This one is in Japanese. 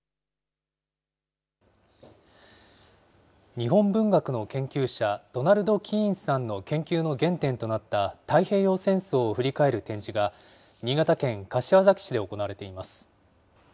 日本文学の研究者、ドナルド・キーンさんの研究の原点となった太平洋戦争を振り返る展示が、新潟県柏崎市で行われています。